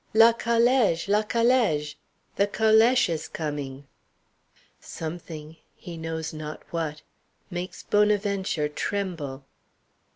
"La calége! La calége!" The calèche is coming! Something, he knows not what, makes Bonaventure tremble.